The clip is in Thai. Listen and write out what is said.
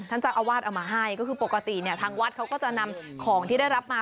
ท่านจักรเอาวาดเอามาให้ก็คือปกติทางวัดเขาก็จะนำของที่ได้รับมา